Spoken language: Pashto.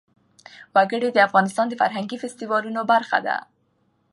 وګړي د افغانستان د فرهنګي فستیوالونو برخه ده.